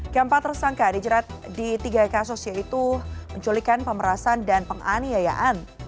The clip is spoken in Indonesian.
keempat tersangka dijerat di tiga kasus yaitu penculikan pemerasan dan penganiayaan